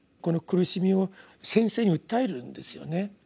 この苦しみを先生に訴えるんですよね。